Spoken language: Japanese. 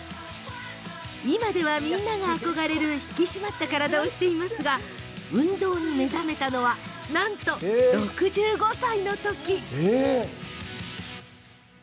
今ではみんなが憧れる引き締まった体をしていますが運動に目覚めたのはなんと６５歳。